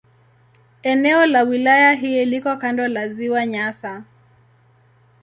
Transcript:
Eneo la wilaya hii liko kando la Ziwa Nyasa.